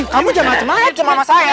kamu cemacem sama saya